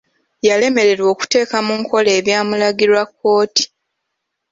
Yalemererwa okuteeka mu nkola ebyamulagirwa kkooti.